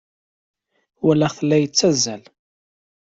Walaɣ-t la yettazzal.